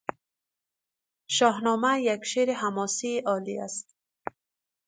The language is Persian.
شاهنامه یک شعر حماسی عالی است.